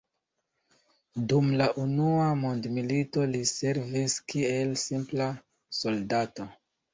Dum la unua mondmilito li servis kiel simpla soldato.